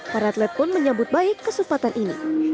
para atlet pun menyambut baik kesempatan ini